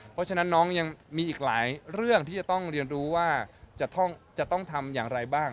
เพราะฉะนั้นน้องยังมีอีกหลายเรื่องที่จะต้องเรียนรู้ว่าจะต้องทำอย่างไรบ้าง